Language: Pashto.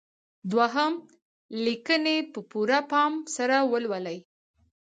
دوهم: لیکنې په پوره پام سره ولولئ.